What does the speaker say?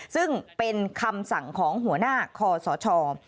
ซึ่งเป็นคำสั่งของหัวหน้าคอสช